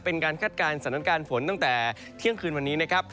คาดการณ์สถานการณ์ฝนตั้งแต่เที่ยงคืนวันนี้นะครับ